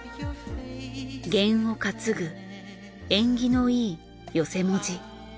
験を担ぐ縁起のいい寄席文字。